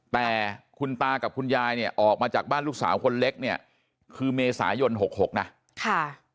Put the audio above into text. แต่คุณตากับคุณยายเนี่ยออกมาจากบ้านลูกสาวคนเล็กเนี่ยคือเมษายน๖๖นะค่ะ